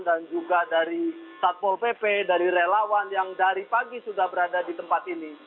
juga dari satpol pp dari relawan yang dari pagi sudah berada di tempat ini